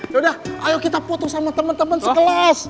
yaudah ayo kita foto sama temen temen sekelas